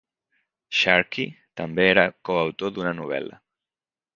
Sharkey també era coautor d'una novel·la.